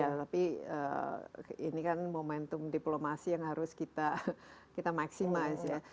tapi ini kan momentum diplomasi yang harus kita maksimalisasi